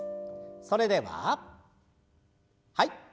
それでははい。